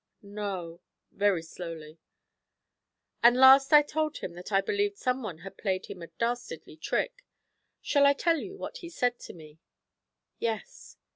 'No,' very slowly. 'And last I told him that I believed someone had played him a dastardly trick. Shall I tell you what he said to me?' 'Yes.'